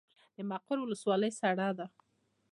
د مقر ولسوالۍ سړه ده